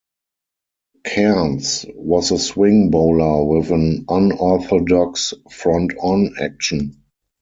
Cairns was a swing bowler with an unorthodox 'front on' action.